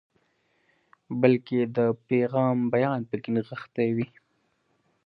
بلکې د پیغام بیان پکې نغښتی وي.